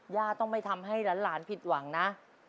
ต้องไม่ทำให้หลานผิดหวังนะ